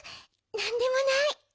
なんでもない。